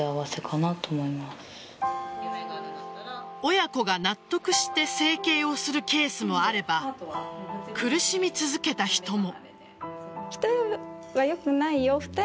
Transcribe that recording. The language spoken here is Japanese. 親子が納得して整形をするケースもあれば苦しみ続けた人も。